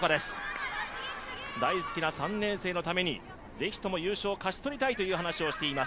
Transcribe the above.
大好きな３年生のためにぜひとも優勝を勝ち取りたいという話をしています。